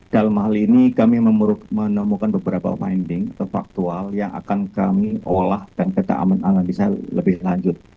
dalam hal ini kami menemukan beberapa finding atau faktual yang akan kami olah dan kita analisa lebih lanjut